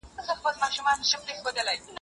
لارښود په عین وخت کي شاګردانو ته لارښوونه کوي؟